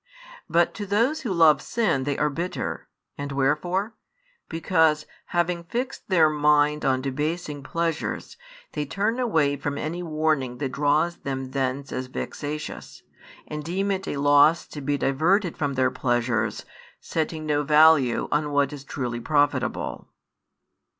But to those who love sin they are bitter, and wherefore? Because, having fixed their mind on debasing pleasures, they turn away from any warning that draws them thence as vexatious, and deem it a loss to be diverted from their pleasures, setting no value on what is truly profitable.